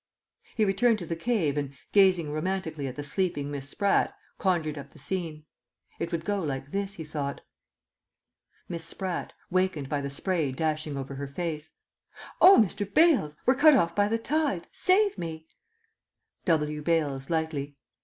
He returned to the cave and, gazing romantically at the sleeping Miss Spratt, conjured up the scene. It would go like this, he thought. Miss Spratt (wakened by the spray dashing over her face). Oh, Mr. Bales! We're cut off by the tide! Save me! W. Bales (lightly).